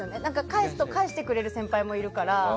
返すと、返してくれる先輩もいるから。